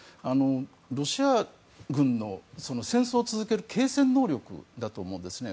ロシア軍の戦争を続ける継戦能力だと思うんですね。